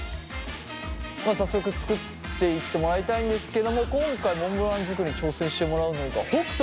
早速作っていってもらいたいんですけども今回モンブラン作りに挑戦してもらうのが北斗。